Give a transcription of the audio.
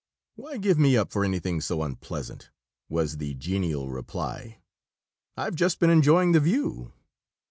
"Why give me up for anything so unpleasant?" was the genial reply. "I've just been enjoying the view."